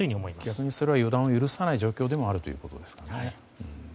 逆にそれは予断を許さない状況でもあるということですね。